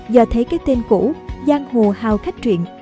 giờ thấy cái tên cũ giang hồ hào khách truyện